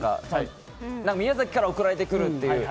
宮崎から送られてくるっていう。